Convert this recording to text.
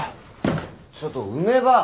ちょっと梅ばあ！